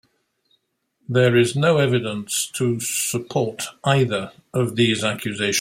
There is no evidence to support either of these accusations.